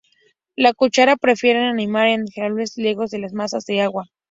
Los cuchara prefieren anidar en herbazales lejos de las masas de agua.